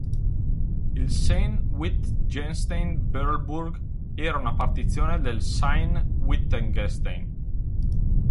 Il Sayn-Wittgenstein-Berleburg era una partizione del Sayn-Wittgenstein.